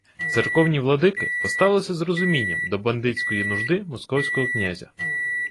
Церковні владики поставилися з розумінням до бандитської нужди московського князя